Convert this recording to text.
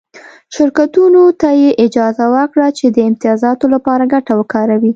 شرکتونو ته یې اجازه ورکړه چې د امتیازاتو لپاره ګټه وکاروي